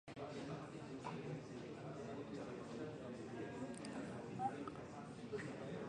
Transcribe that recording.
Wanachama wengine hawakuonyesha utashi wa kuwa wenyeji.